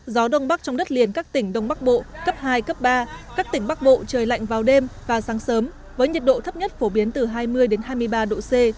gió đông bắc trong đất liền các tỉnh đông bắc bộ cấp hai cấp ba các tỉnh bắc bộ trời lạnh vào đêm và sáng sớm với nhiệt độ thấp nhất phổ biến từ hai mươi hai mươi ba độ c